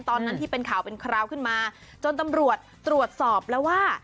ที่เป็นข่าวเป็นคราวขึ้นมาจนตำรวจตรวจสอบแล้วว่า